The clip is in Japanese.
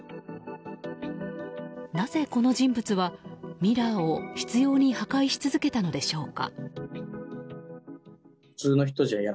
なぜ、この人物はミラーを執拗に破壊し続けたのでしょうか。